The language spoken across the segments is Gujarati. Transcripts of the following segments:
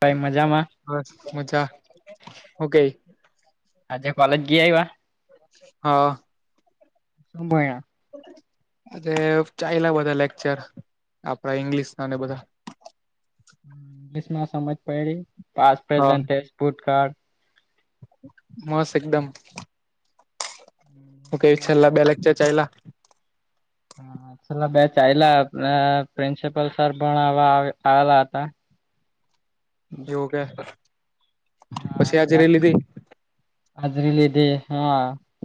ભાઈ મજામાં બસ મજા હું કે. આજે કોલેજ ગી આઈવા. હા. શુ ભણ્યા? આજે ચાઈલા બધા લેક્ચર આપડા ઇંગ્લિશ નાને બધા. ઇંગલિશ માં સમજ પડી પાસ્ટ પ્રેસન્ટ ટેન્સ ભૂતકાળ મસ એકદમ. હું કઈ મને છેલ્લા બે લેક્ચર ચાઈલા. છેલા બે ચાઈલા ને પ્રિન્સિપલ સર પણ આવા આયેલા હતા. એવુ કે પછી હા હાજરી લીધી. હાજરી લીધી હા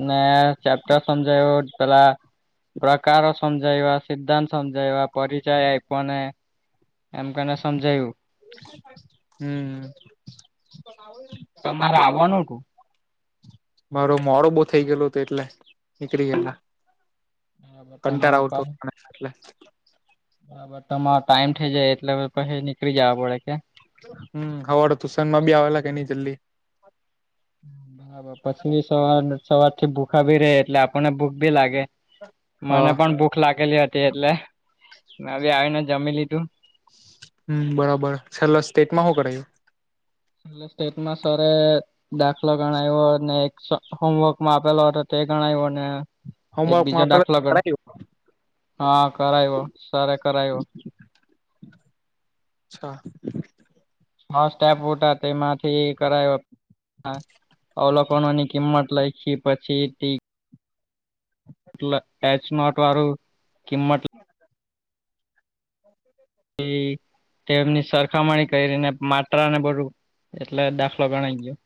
ને ચેપ્ટર સમજાયો પેલા પ્રકારો સમજાયવા સિધ્ધાંત સમજાયવા પરિચય આયપોને એમ કને સમજાયવું. હમ્મ. તમારે આવાનું હતું. મારો મોડો બહુ થઇ ગયેલો હતો એટલે નીકળી ગયેલા. બરાબર કંટાર તમાર આવતો મને એટલે. બરાબર તમારો ટાઈમ થઇ જાય એટલે પછી નીકળી જવા પડે કે હમ્મ હવારે ટુશનમાં બી આવે [unintelligible] ની જલ્દી બરાબર પછી સર સવારથી ભૂખા બેહી રે એટલે આપણને ભૂખ બી લાગે. મને હા પણ ભૂખ લાગેલી હતી એટલે મેં બી આવીને જમી લીધું. હમ્મ બરાબર છેલ્લો સ્ટેટમાં હું કરાયું. છેલ્લે સ્ટેટમાં સરે દાખલો ગણાયો ને એક હોમવર્કમાં આપેલો હતો તે ગણાયો અને હોમવર્કમાં એકબીજા આપેલા દાખલોગણ કરાયું હા કરાયવો સરે કરાયો. અચ્છા. હા સ્ટેપ વોટા તેમાંથી કરાયો. હા અવલોકનો ની કિંમત લઈખી પછી [unintelligible] નોટવાર કિમત તેમની સરખામણી કરીને માત્રા ને બધું એટલે દાખલો ગણાઈ ગ્યો.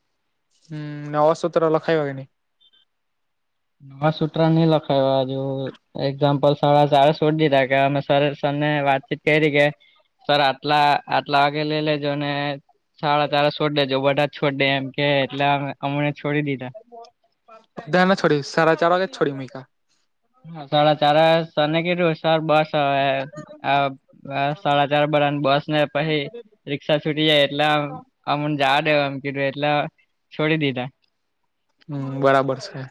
હમ્મ નવા સુત્ર લખાઈવા એને. નવા સૂત્ર નહી લખાઈવા હજુ એક્ઝામ્પલ સાડા ચારે છોડી દીધા કે અમે સ સરને વાત કેરી કે સર આટલા આટલા વાગે લઈ લેજો અને સાડા ચાર વાગે છોડી દેજો બધા છોડે એમ કે એટલે અમને છોડી દીધા ધ ના છોડી સાડા ચાર વાગે જ છોડી મૈકા હ સાડા ચારે સર ને કીધું સર બસ અ આ સાડા ચાર બડાને બસ ને પછી રિક્ષા છૂટી જાય એટલે અમન જાવા દેવાન કીધું એટલે છોડી દીધા. હમ્મ બરાબર છે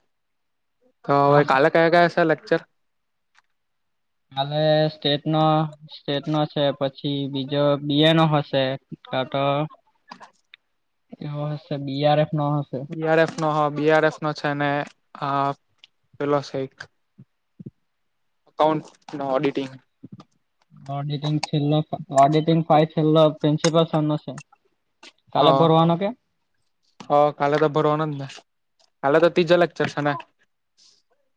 તો હવે કાલે કયા કયા સે લેકચર. કાલે સ્ટેટ નો સ્ટેટ નો છે પછી બીજો બીજા નો હશે કાતો એવ હશે બી. આર. એફ. નો હશે. બીઆરએફ નો બી. આર. એફ. નો છે ને અ પેલો છેએક કાઉન્ટ ન ઓડીટિંગ. ઓડિટંગ છેલ્લો ઓડિટિંગ ફાય છેલ્લો પ્રિન્સિપલ સર નો છે. હ કાલે ભરવાનો કે હ કાાલ તો બરોું આનંદ કાાલ તો ત્રીજા લચર છે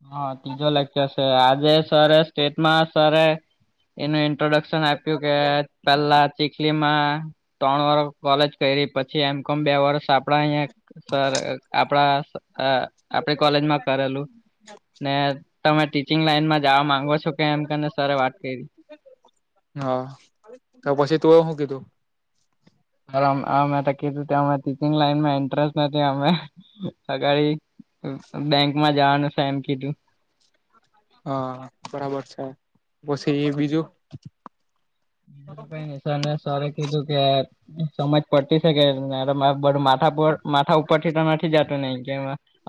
હા ત્રીજો લખ છે આજે સર સ્ટેટમાં સર એનું ઇન્ટ્રોડક્શન આપ્યું કે પેલા ચીખલીમાં ત્રણ વર કોલેજ કરી પછી એમ કોમ બે વર્ષ આપડા અહીં સર આપણા આપડી કોલેજમાં કરેલું ને તમે ટીચિંગ લાઈન માં જવા માંગો છો કે એમ કને સર વાત કરી હા તો પછી તું શું કીધું કીધું ટીચિંગ લાઈનમાં ઇન્ટરેસ્ટ નથી અમે અગ બેંકમાં જવાનું ફેમ કીધું હા બરાબર છે બછી એ બીજું બીજું તો કંઈ નહીં ને સરરે કીધું કેાર સમજ પતી શકેને બું માથા માથા ઉપર થી તો નથી જતું ને કે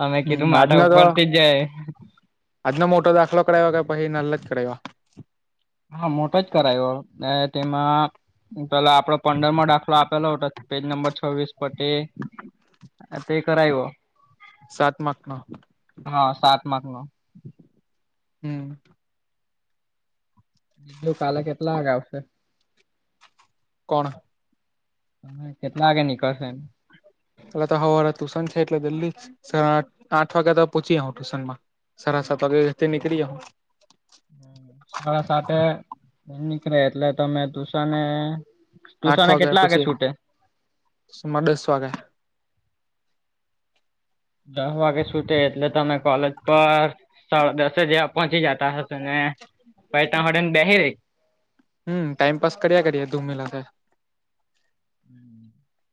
અમે હમ કીધું માટા ઉપરથી જ જાય અજનો મોટો દાખલો ક કરાાવવા ક કે પછ નલ જ ક કરઢવા હા મોટો જ કરાયો તેમાં પેલા આપડો પંદરમાં દાખલો આપેલો હતો પેજ નંબર છવ્વીસ પ તે એ કરું સાત માખમાં હા સાત માગનો હમ બીજું કાલે કેટલા વાગે આવશે કોણ તમે કેટલા વાગે નીકળશે એ એલા તો હ ટુશન છે એટલે જલ્દી આ આઠ વાગ્યા તો પહોચી ટુશન માં સારાસાત વાગ્યે હયાતી નિકલયો હુ સાડા સાત નીકળે એટલે તમે તુશાને તુશાને ‌કેટલા વાગે છૂટે સુમર દસવાગે દસ વાગે સુટે એટલે તમે કોલેજ પર સ દસજ પહંચી જતા હ સુને પૈ ત હોડન બેહી રહી હમ ટાઈમપાસ કર્યા કર્યા ધૂમ મિલાશે [unintelligible]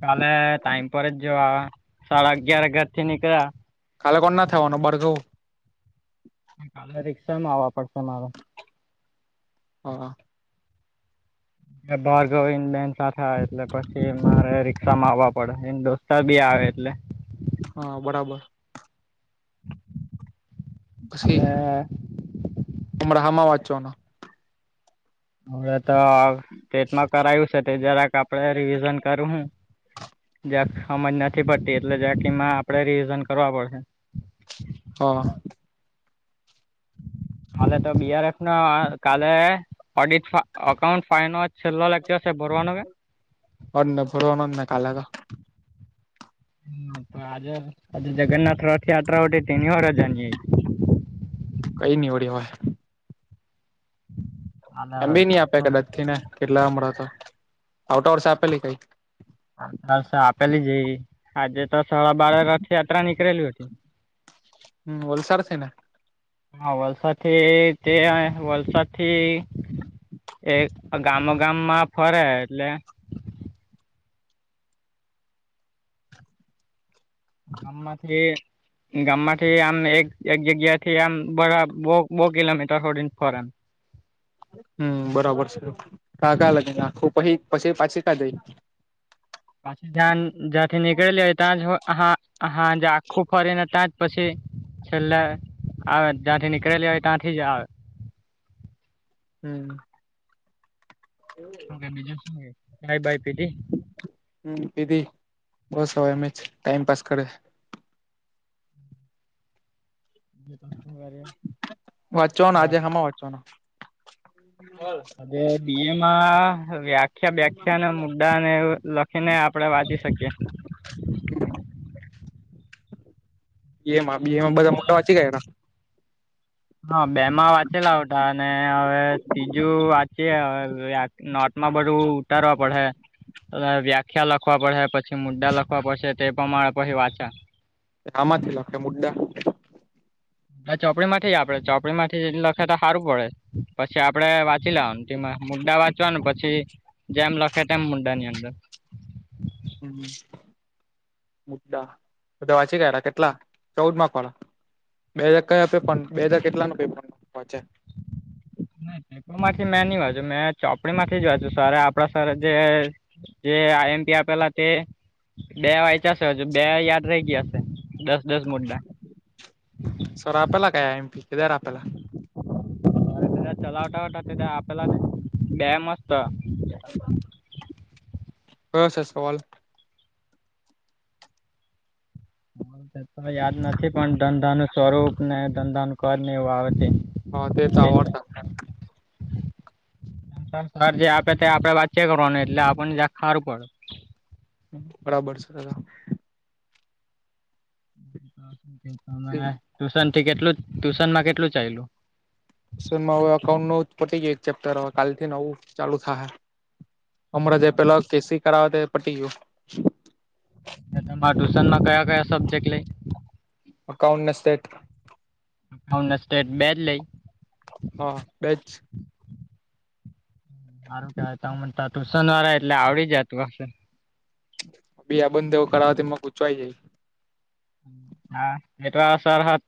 કાલે ટાઈમ પર જ જોવા સાડા અગયાર અગયાર થી નીકળ્યા કાલે કોણ ના થવાનો બળગઉ કાલે રિક્ષામાં આવવા પડશે મારો હા ભારગવિન બેન સાથે આવે એટલે પછી મારે રિક્ષા માં આવવા પડે એ દોસ્ત બી આવે એટલે હા બરાબર બસી કાલે અમરા હમાવાદ છો ના હવે તો તેટમાં કરાયું છે તે જરાક આપણે રિવિઝન કરું હું જ સમજ નથી પડતી એટલે જંકીમાં આપડે રિવિઝન કરવા પડશે હા હા તો વિયાર કાલે ઓડીટ અકાઉન્ટ ફાનન્સ છેલ્લો લાગજ છે ભરવાનું કે અ ના ભોરવા ના કાગ હ તો આજે આજે જગન્નાથ રથયાત્રા હો તેની વાર જનીય કઈ નની ઓળ હોય એમ બી નહી આપે આઈતી કદાચ થી ને કેટલા હમણા આવતા વર્ષે આપેલી કઈ હા આપેલી જ આજે તો સડા બાર રથયાત્રા નીકળેલી હતી. હમ વલસાડ થી ને હા વલસાડ તે તે વલસાડ થી એ ગામો ગામમાં ફરે એટલે ગામમાં થી ગામ માંથી આમ એક એક જગ્યા થી આમ બરા બો બો કિલોમીટર હોડીને ફરે હમ બરાબર છે કાકા લગેના પછ પછી પાછી કા ગઈ? પાછી જ્યા જ્યાંથી નીકળે હોય ત્યાં જ હા હા આખું ફરીને ત્યાં જ પછી છેલ્લે આવે જ્યાંથી નીકળેલી હોય ત્યાંથી જ આવે. હમ્મ ચાઈ બાઈ પીધી. હમ્મ પીધી બસ હવે એમેજ ટાઈમ પાાસ કરે. વાંચવાનો આજે હામાં વાંચવાનો હવે બીએમાં વ્યા વ્યાખ્યા બ્યાખ્યા ના મુદ્દાને લખીને આપણેે વાંચી શકીએ. બીએમા બીએમાં બધા મુદ્દા મોટા વાંચી ગયા હા બે માં વાંચેલા આવઠા અને હવે ત્રીજું નોટમાં બધું ઉતારવા પડે. વ્યાખ્યા લખવા પડશે પછી મુદ્દા લખવા પડશે તે પમાણે પછી વાંચા આમાંથી લખે મુદ્દા ચોપડી થી જ આપડે ચોપડી થી લખે તો સારું પડે પછી આપડે વાંચી લેવાનું. મુદ્દા વાંચવાનું પછી જેમ લખે તેમ મુદ્દા ની અંદર. હમ્મ મુદ્દા બધા વાંચી ગયેલા કેટલા ચૌદ માં પડ બે હજાર કયા પેપરનું પણ બે હાજાર કેટલા નું વાંચ્યા. માંથી મેં ની વાંચુ મેં ચોપડી માંથી જ વાંચુ સરે આપણા સરે જે જે આઈએમપી આપેલા તે બે વાચાશે હજુ બે યાદ રહી ગયા હશે. દસ દસ મુદ્દા સર આપેલા કયા એમપી કેધાર આપેલા. હ બધા ચલાવટ આપેલા બે મસ્ત. કાયો સે સવાલ હ તો યાદ નથી પણ ધંધા નું સ્વરૂપ ને ધંધા નું કર ને એવું આવે તે. હા તે તો આવડતા સર જે આપે ત આપડે વાંચ્યા કરવાનું એટલે આપણને જ હારું પડે. બરાબર સે ટ્યુશન થી કેટલું ટ્યુશન માં કેટલું ચાલલું સનમાં હવે અઉન્ટમાનુ પટી ગયું એક ચેપ્ટર હવે કાલ થી નવું ચાલુ થાહે હમણાં જે પેલા કેસી કરાવ તે પટી ગયું. તમારે ટ્યુશન માં કયા કયા સબ્જેક્ટ લે. અકાઉન્ટને સ્ટેટ કાઉન્ટ ને સ્ટેટ બેજ લઈ હા બેજ હારું કેવાય ત તમન ટુશન વાળા એટલે આવડી જતું હશે. બી આ બંધ એવ કરાવવાથીમાં પૂછવા જાય હા નહીં તો આ સર હત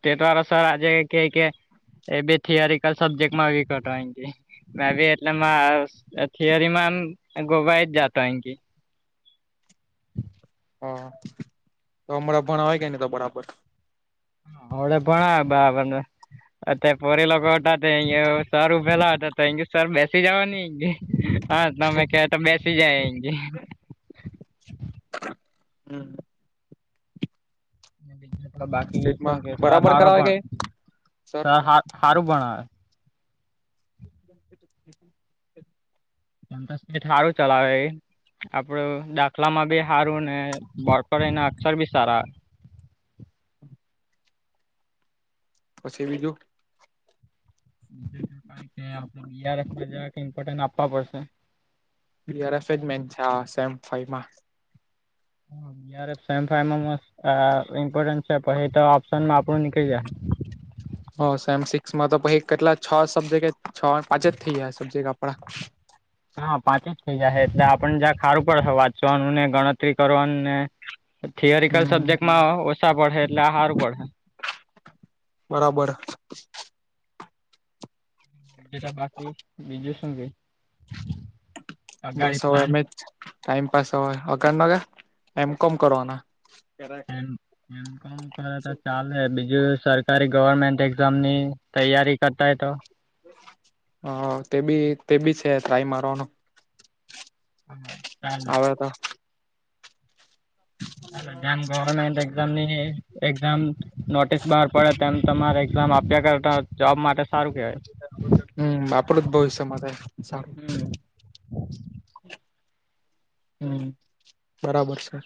ટેટ વાળા સર આજે કે કે એ બે થિયરિકલ સબ્જેક્ટ મા મે બી એટલે થિયરી માંમ ગોવાઈ જ જાતો અ હ તો અમરાં ભણાવય કે નહી તો બરાબર હડે ભણ બબર ને અત પોરી લોકો હતા અયા સર ઉભેલા હતા તો અ સર બેસી જવા ન અ હા તમે કવા તો બેસી જાય એ બાકી શું સ્ટેટમાં કે સર બરાબર સાર કરાવે પણ કે સર સારું પણ આવે બ એેઠારું ચલાવે આપડું દાખલા માં બી સારું ને ભરપ એના અક્ષર બી સારા પછી બીજું બ ક કે આપડે બીારફ ઇમ્પોર્ટ આપવા પડશે બરફનેમાઈમાં ફ સેવ ફમાં મો ઇમ્પોર્ટન્ટ છે તો ઓપ્શન માં આપણું નીકળી જશે હ સેમ સિક્સમાં તો પછ કેટલા છ સબ્ેક્ટ છ પાંચે જ થઈ જયા સબ્જેક્ટ આપડા હા પાંચ જ થઇ જાયશે એટલે આપણ જ્યાં ખારું પડશે વાંચવાનુંને ગણતરી કરો ને થથીયોરિકલ હમ સબ્જેક્ટમાં ઓછા પડે એટલે આ સારું પડે બરાબર બીજુંટ બાકી બીજું શું કે બસ અગાડી હ પ્લાન એમ જ ટાઈમપાસ હો અગાર ન ગ એમ કોમ કરવાના એમમ કર તો ચાલે બીજું સરકારી ગવર્મેન્ટ એક્ઝામની તૈયારી કરતા હૈ તો હ તે બી તે બી છે ટ્રાય મારવાનું હા ત આવે તો હમ ગવર્મેન્ટ એામ ની એકમ નોટિસ બહાર પડે તેમ તમારે એક્ઝામ આપ્યા કરતા જોબ માટે સારું કેવાય હમ આપડું જ ભવિષ્યમાં સારું હમ હમ બરાબર છે